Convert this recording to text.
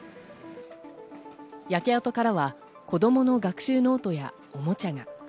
焼け跡からは子供の学習ノートやおもちゃが。